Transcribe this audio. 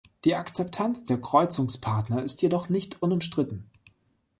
Die Akzeptanz der Kreuzungspartner ist jedoch nicht unumstritten.